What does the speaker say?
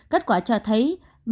kết quả cho thấy